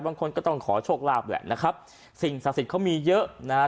บางคนก็ต้องขอโชคลาภแหละนะครับสิ่งศักดิ์สิทธิ์เขามีเยอะนะฮะ